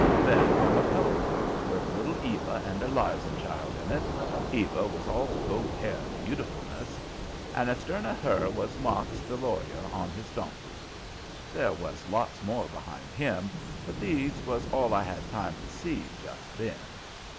Then come a pony cart with Little Eva and Eliza's child in it; Eva was all gold hair and beautifulness. And astern of her was Marks the Lawyer, on his donkey. There was lots more behind him, but these was all I had time to see just then.